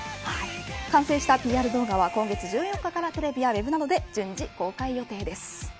完成したＰＲ動画は今月１８日からテレビやウェブなどで順次公開予定です。